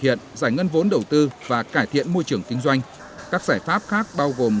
hiện giải ngân vốn đầu tư và cải thiện môi trường kinh doanh các giải pháp khác bao gồm